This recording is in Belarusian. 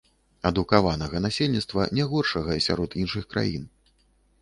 Адукаванага насельніцтва, не горшага сярод іншых краін.